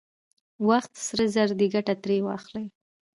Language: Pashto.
وخت سره زر دی، ګټه ترې واخلئ!